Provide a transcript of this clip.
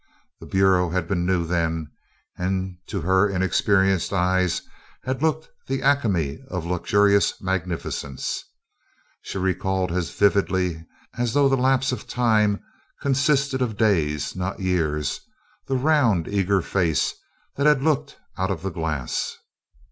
The bureau had been new then and, to her inexperienced eyes, had looked the acme of luxurious magnificence. She recalled as vividly as though the lapse of time consisted of days, not years, the round eager face, that had looked out of the glass.